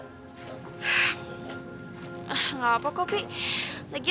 hahah gak apa kok pi lagi lo gak langsung hantarin gue kita gak bisa berdua aja ya